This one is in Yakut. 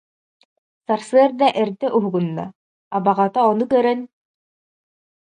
Сарсыарда эрдэ уһугунна, абаҕата ону көрөн: